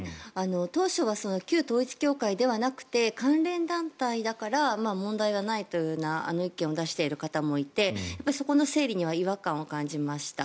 当初は旧統一教会ではなくて関連団体だから問題はないというような意見を出している方もいてそこの整理には違和感を感じました。